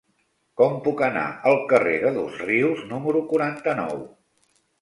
Com puc anar al carrer de Dosrius número quaranta-nou?